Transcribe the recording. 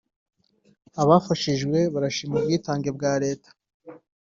Abafashijwe barashima ubwitange bwa leta